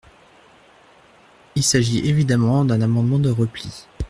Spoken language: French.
Il s’agit évidemment d’un amendement de repli.